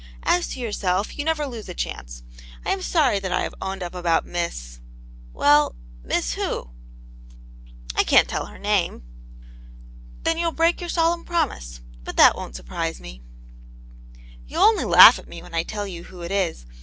As to your self, you never lose a chance. I am sorry that I have owned up about Miss '* ''Well, Miss who?" " I can't tell her name." Then, you'll break your solemn promise. But that won't surprise me.'* You'll only laugh at me when I tell you who it is.